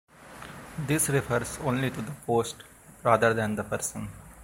This refers only to the post, rather than the person.